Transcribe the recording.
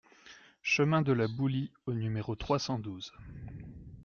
Chemin de la Boulie au numéro trois cent douze